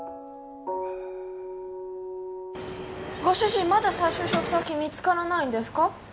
ご主人まだ再就職先見つからないんですか？